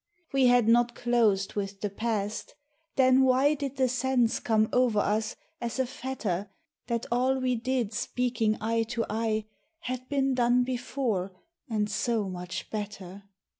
We had not closed with the past, then why Did the sense come over us as a fetter That all we did speaking eye to eye Had been done before and so much better